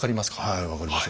はい分かります。